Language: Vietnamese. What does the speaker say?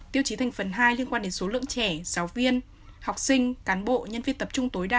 tiêu chí thành phần hai liên quan đến số lượng trẻ giáo viên học sinh cán bộ nhân viên tập trung tối đa